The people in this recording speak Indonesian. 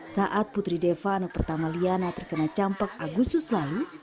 saat putri deva anak pertama liana terkena campak agustus lalu